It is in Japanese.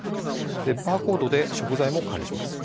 バーコードで食材を管理します。